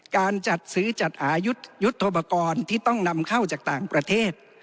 การจัดซื้อจัดอายุยุทธโทปกรณ์ที่ต้องนำเข้าจากต่างประเทศ